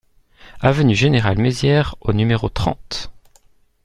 Avenue Général Maizière au numéro trente